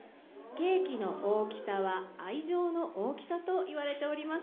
ケーキの大きさは愛情の大きさといわれております。